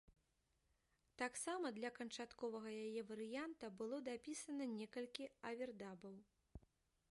Таксама для канчатковага яе варыянта было дапісана некалькі авердабаў.